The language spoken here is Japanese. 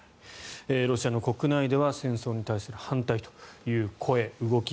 ロシアの国内では戦争に対する反対という声、動き